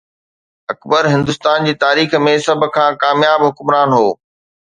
اڪبر هندستان جي تاريخ ۾ سڀ کان ڪامياب حڪمران هو.